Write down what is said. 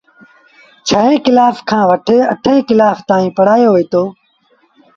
ڇهين ڪلآس کآݩ وٽي اٺيݩ ڪلآس تائيٚݩ پڙهآيو وهيٚتو۔